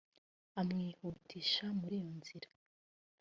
amwihutisha muri iyo nzira